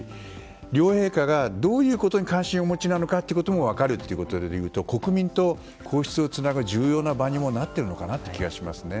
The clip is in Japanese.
両陛下がどういうことに関心をお持ちなのかということも分かるというところでいうと国民と皇室をつなぐ重要な場にもなっている気がしますね。